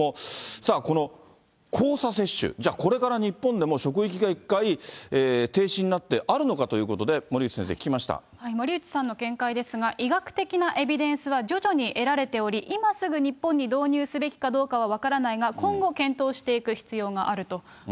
さあこの交差接種、じゃあこれから日本でも職域が一回、停止になって、あるのかとい森内さんの見解ですが、医学的なエビデンスは徐々に得られており、今すぐ日本に導入すべきかどうかは分からないが、今後、検討していく必要があると。